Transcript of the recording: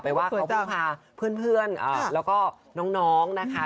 ว่าเขาเพิ่งพาเพื่อนแล้วก็น้องนะคะ